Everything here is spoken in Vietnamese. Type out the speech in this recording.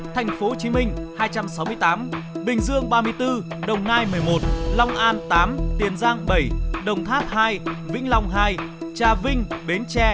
thành phố hồ chí minh hai trăm sáu mươi tám bình dương ba mươi bốn đồng nai một mươi một long an tám tiền giang bảy đồng tháp hai vĩnh long hai trà vinh bến tre